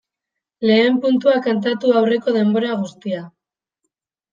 Lehen puntua kantatu aurreko denbora guztia.